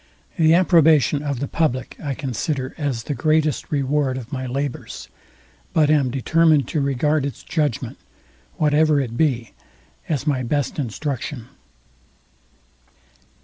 The approbation of the public I consider as the greatest reward of my labours; but am determined to regard its judgment, whatever it be, as my best instruction.